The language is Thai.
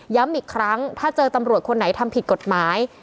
อีกครั้งถ้าเจอตำรวจคนไหนทำผิดกฎหมาย